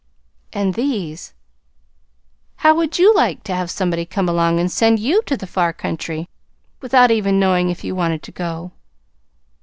But these How would YOU like to have somebody come along and send YOU to the far country, without even knowing if you wanted to go?"